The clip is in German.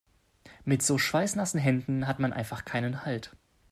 Mit so schweißnassen Händen hat man einfach keinen Halt.